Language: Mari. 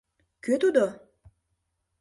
Кӧ тудо?